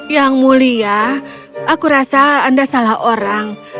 yang mulia aku rasa anda salah orang